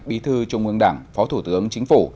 bí thư trung ương đảng phó thủ tướng chính phủ